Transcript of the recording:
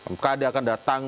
mkd akan datang